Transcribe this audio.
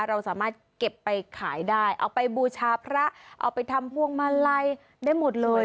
เราสามารถเก็บไปขายได้เอาไปบูชาพระเอาไปทำพวงมาลัยได้หมดเลย